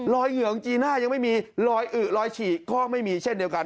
เหยื่อของจีน่ายังไม่มีรอยอึรอยฉีกก็ไม่มีเช่นเดียวกัน